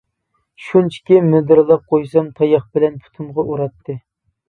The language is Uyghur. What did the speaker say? شۇنچىكى مىدىرلاپ قويسام تاياق بىلەن پۇتۇمغا ئۇراتتى.